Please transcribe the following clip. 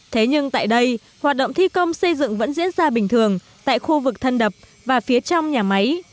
thế nhưng tại đây hoạt động thi công xây dựng vẫn diễn ra bình thường tại khu vực thân đập và phía trong nhà máy